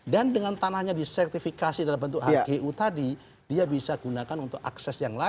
dan dengan tanahnya disertifikasi dalam bentuk hgu tadi dia bisa digunakan untuk akses yang lain